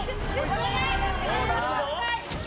お願い！